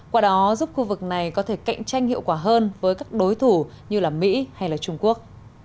qua đó giúp khu vực này có thể cạnh tranh hiệu quả hơn với các đối thủ như mỹ hay trung quốc